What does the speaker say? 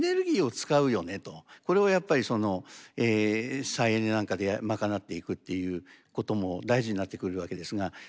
これをやっぱりその再エネなんかで賄っていくっていうことも大事になってくるわけですが。